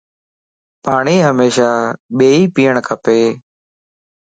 پاڻين ھميشا ٻيئي پيڻ کپ